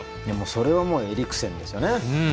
それはもうエリクセンですよね。